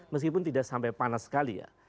meskipun tidak sampai panas sekali ya